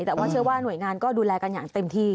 แต่ว่าเชื่อว่าหน่วยงานก็ดูแลกันอย่างเต็มที่